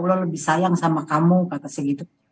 lo lebih sayang sama kamu kata segitu